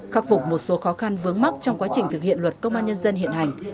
khắc phục một số khó khăn vướng mắc trong quá trình thực hiện luật công an nhân dân hiện hành